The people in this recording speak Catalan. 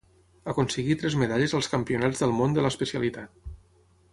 Aconseguí tres medalles als Campionats del Món de l'especialitat.